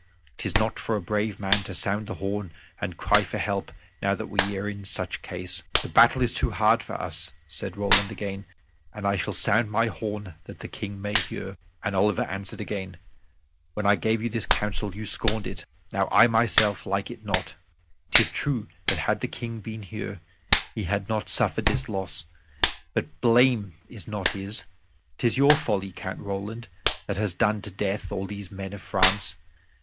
'Tis not for a brave man to sound the horn and cry for help now that we are in such case." "The battle is too hard for us," said Roland again, "and I shall sound my horn, that the King may hear." And Oliver answered again, "When I gave you this counsel, you scorned it. Now I myself like it not. 'Tis true that had the King been here, we had not suffered this loss. But the blame is not his. 'Tis your folly, Count Roland, that has done to death all these men of France.